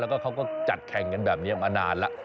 แล้วก็เขาก็จัดแข่งกันแบบนี้มานานแล้ว